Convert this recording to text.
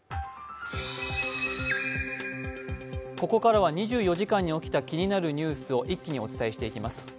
ここからは２４時間に起きた気になるニュースを一気にお伝えしていきます